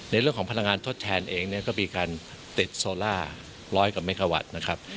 ในเรื่องของพลังงานทดแทนเองเนี่ยก็มีการติดโซล่าร้อยกว่าเมกาวัตต์นะครับ